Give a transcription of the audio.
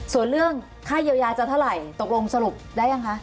ส่วนเรื่องค่าเยียวยาจะเท่าไหร่ตกลงสรุปได้ยังคะ